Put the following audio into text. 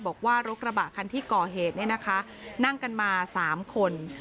บอกว่ารถกระบะคันที่ก่อเหตุนั่งกันมา๓คน